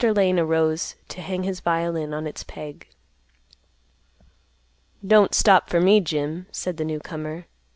Lane arose to hang his violin on its peg. "Don't stop fer me, Jim," said the newcomer.